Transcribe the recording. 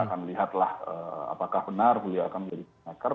kita akan melihatlah apakah benar beliau akan menjadi kingmaker